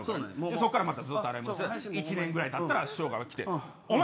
そこからまたずっと１年ぐらいたったら師匠が来てお前